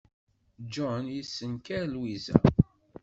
John yessenker Lwiza.